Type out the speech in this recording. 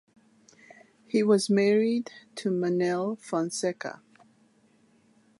He was married to Manel Fonseka.